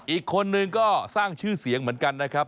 อีกคนนึงก็สร้างชื่อเสียงเหมือนกันนะครับ